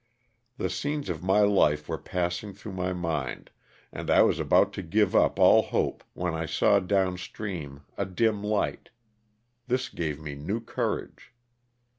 The scenes of my life were passing through my mind and I was about to give up all hope when I saw down stream a dim light ; this gave me new cour age.